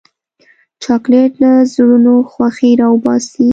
چاکلېټ له زړونو خوښي راوباسي.